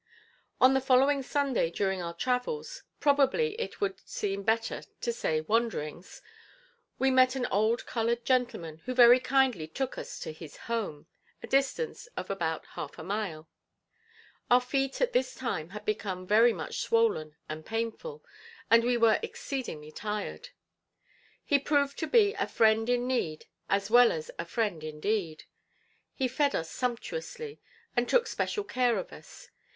On the following Sunday during our travels, probably it would seem better to say wanderings, we met an old colored gentleman who very kindly took us to his home, a distance of about half a mile. Our feet at this time had become very much swollen and painful; and we were exceedingly tired. He proved to be "a friend in need as well as a friend indeed." He fed us sumptuously, and took special care of us.